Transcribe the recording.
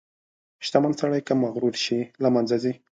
• شتمن سړی که مغرور شي، له منځه ځي.